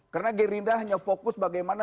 karena gerindra hanya fokus bagaimana